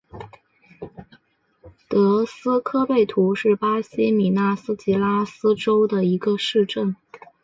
德斯科贝图是巴西米纳斯吉拉斯州的一个市镇。